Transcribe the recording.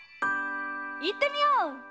いってみよう！